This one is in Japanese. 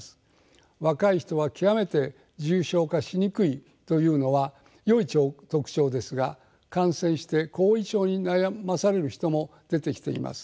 若い人は極めて重症化しにくいというのはよい特徴ですが感染して後遺症に悩まされる人も出てきています。